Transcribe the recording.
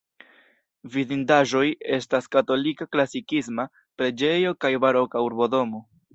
Vidindaĵoj estas katolika klasikisma preĝejo kaj baroka urbodomo.